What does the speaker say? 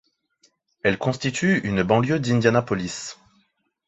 Elle constitue une banlieue d'Indianapolis.